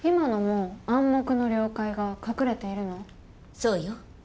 そうよ。